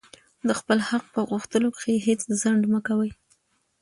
د خپل حق په غوښتلو کښي هېڅ ځنډ مه کوئ!